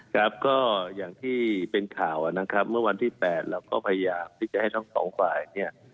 ครับก็อย่างที่เป็นข่าวนะครับเมื่อวันที่๘เราก็พยายามที่จะให้ทั้งสองฝ่ายเนี่ย